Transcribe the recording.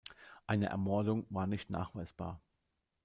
Eine Ermordung war nicht nachweisbar.